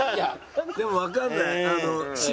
でもわかんない。